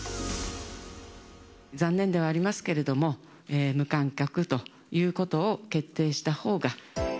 残念ではありますけれども、無観客ということを決定したほうが。